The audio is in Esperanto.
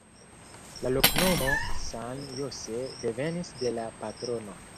La loknomo San Jose devenis de la patrono.